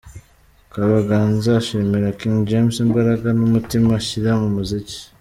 Kabaganza ashimira King James imbaraga n'umutima ashyira mu muziki.